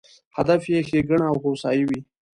هدف یې ښېګڼه او هوسایي وي.